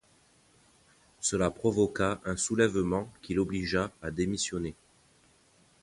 Cela provoqua un soulèvement qui l'obligea à démissionner.